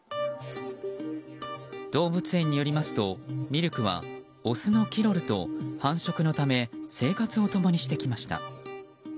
動物園によりますと、ミルクはオスのキロルと繁殖のため生活を共にしてきました。